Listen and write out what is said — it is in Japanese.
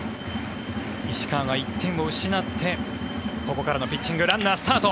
石川が１点を失ってここからのピッチングランナー、スタート。